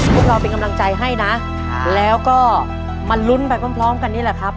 พวกเราเป็นกำลังใจให้นะแล้วก็มาลุ้นไปพร้อมกันนี่แหละครับ